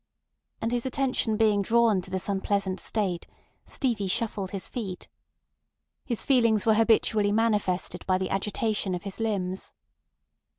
And his attention being drawn to this unpleasant state, Stevie shuffled his feet. His feelings were habitually manifested by the agitation of his limbs.